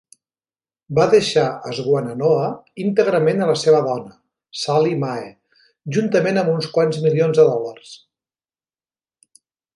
Va deixar Swannanoa íntegrament a la seva dona, Sally Mae, juntament amb uns quants milions de dòlars.